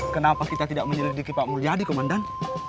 kenapa kita tidak menyelidiki pak mulyadi komandan